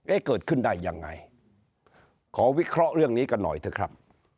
เกิดขึ้นได้ยังไงขอวิเคราะห์เรื่องนี้กันหน่อยเถอะครับ